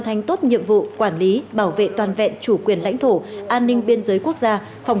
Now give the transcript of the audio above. thành tốt nhiệm vụ quản lý bảo vệ toàn vẹn chủ quyền lãnh thổ an ninh biên giới quốc gia phòng